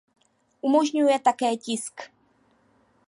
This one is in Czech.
Umožňuje také tisk.